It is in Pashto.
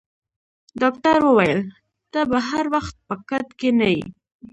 ډاکټر وویل: ته به هر وخت په کټ کې نه یې.